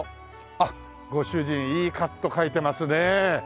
あっご主人いいカット描いてますね。